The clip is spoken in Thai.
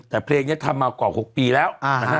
แต่เพลงนี้ทำมากว่า๖ปีแล้วนะฮะ